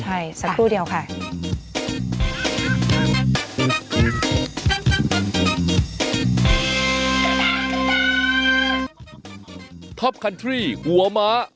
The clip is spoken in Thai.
ใช่สักตู้เดียวค่ะป่าวนะครับ